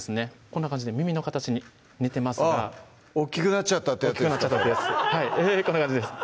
こんな感じで耳の形に似てますが「大っきくなっちゃった」ってやつですよ